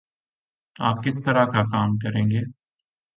آپ کس طرح کا کام کریں گے؟